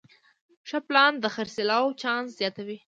ښه پلان د خرڅلاو چانس زیاتوي.